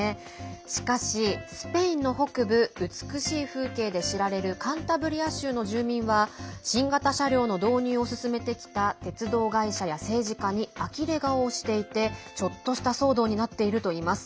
しかし、スペインの北部美しい風景で知られるカンタブリア州の住民は新型車両の導入を進めてきた鉄道会社や政治家に呆れ顔をしていてちょっとした騒動になっているといいます。